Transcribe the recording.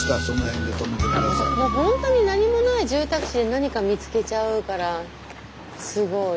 もうほんとに何もない住宅地で何か見つけちゃうからすごい。